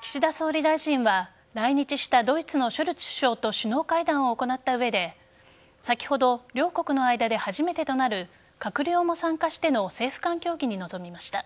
岸田総理大臣は来日したドイツのショルツ首相と首脳会談を行った上で先ほど両国の間で初めてとなる閣僚も参加しての政府間協議に臨みました。